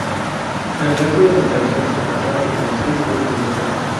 El resto de las canciones alcanzan entre los seis y ocho minutos.